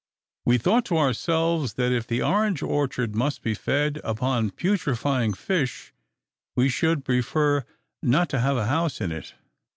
We thought to ourselves, that, if the orange orchard must be fed upon putrefying fish, we should prefer not to have a house in it.